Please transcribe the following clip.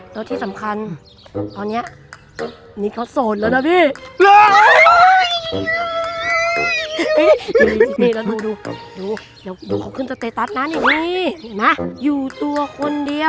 แล้วที่สำคัญตอนนี้นี่เขาโสดแล้วนะพี่